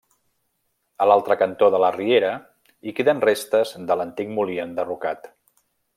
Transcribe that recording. A l'altre cantó de la riera hi queden restes de l'antic molí enderrocat.